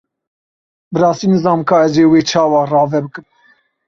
Bi rastî nizanim ka ez ê wê çawa rave bikim.